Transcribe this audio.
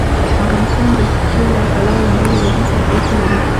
افغانستان د ښتې له پلوه له نورو هېوادونو سره اړیکې لري.